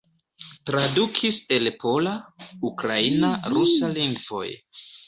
Tradukis el pola, ukraina, rusa lingvoj.